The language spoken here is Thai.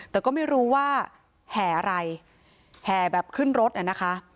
แต่ก็ไม่รู้ว่าแห่อะไรแห่แบบขึ้นรถอ่ะนะคะ